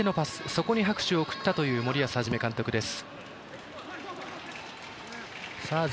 そこに拍手を送ったという森保一監督です。